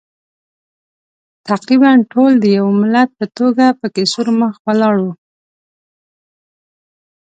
تقریباً ټول د یوه ملت په توګه پکې سور مخ ولاړ وو.